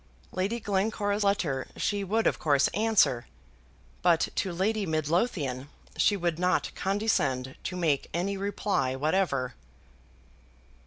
Lady Glencora's letter she would of course answer, but to Lady Midlothian she would not condescend to make any reply whatever.